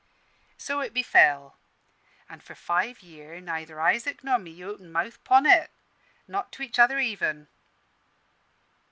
"So it befell; an' for five year' neither Isaac nor me opened mouth 'pon it, not to each other even.